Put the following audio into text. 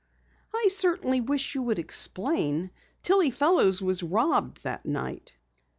"I certainly wish you would explain. Tillie Fellows was robbed that night."